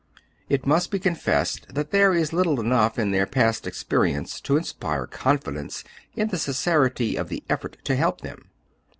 It must be confessed that there is little enough in their past experience to inspire confidence in the sincerity of the effort to help them.